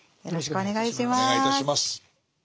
よろしくお願いします。